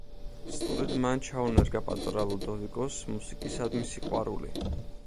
სწორედ მან ჩაუნერგა პატარა ლუდოვიკოს მუსიკისადმი სიყვარული.